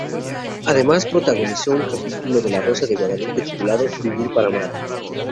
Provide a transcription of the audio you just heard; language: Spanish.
Además protagonizó un capítulo de La Rosa de Guadalupe titulado "Vivir para Amar".